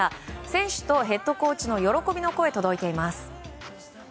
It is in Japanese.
選手とヘッドコーチの喜びの声届いています。